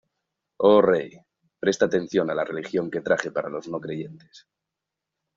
Oh rey, presta atención a la religión que traje para los no creyentes...